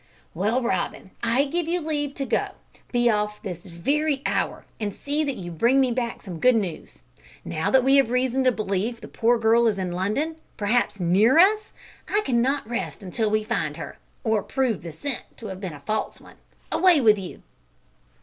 "Well, Robin, I give you leave to go. Be off within this very hour, and see that you bring me back some good news. Now that we have reason to believe the poor girl is in London, perhaps near us, I cannot rest until we find her or prove the scent to have been a false one. Away with you!"